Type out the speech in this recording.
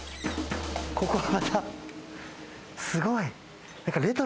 ここはまた、すごい。